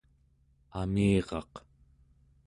amiraq